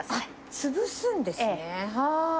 潰すんですね。